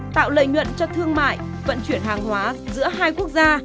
tạo lợi nhuận cho thương mại vận chuyển hàng hóa giữa hai quốc gia